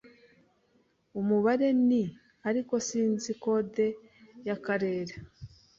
Umubare ni -, ariko sinzi kode yakarere.